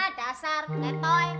ah dasar gretoy